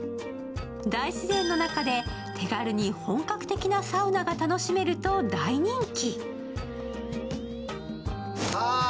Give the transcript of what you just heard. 大自然の中で手軽に本格的なサウナが楽しめると大人気。